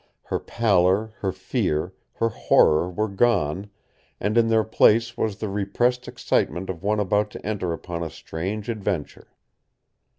Her pallor, her fear, her horror were gone, and in their place was the repressed excitement of one about to enter upon a strange adventure.